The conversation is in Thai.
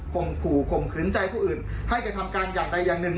ขู่ข่มขืนใจผู้อื่นให้กระทำการอย่างใดอย่างหนึ่ง